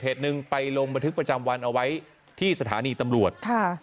หนึ่งไปลงบันทึกประจำวันเอาไว้ที่สถานีตำรวจค่ะ